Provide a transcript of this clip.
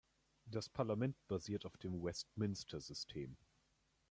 Das Parlament basierte auf dem Westminster-System.